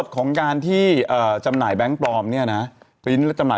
เขามีหมดอ่ะเตียงเติมตู้อะไรนะ